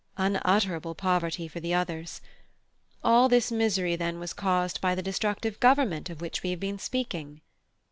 (I) Unutterable poverty for the others. All this misery, then, was caused by the destructive government of which we have been speaking?